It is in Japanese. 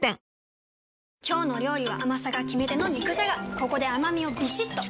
ここで甘みをビシッと！